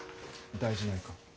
大事ないか？